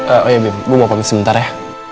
oh iya bim gue mau pamit sebentar ya